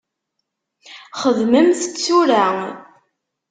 Xedmemt-t tura.